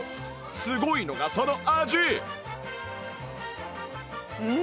すごいのがその味！